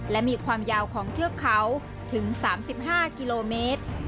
และมีความยาวของเทือกเขาถึง๓๕กิโลเมตร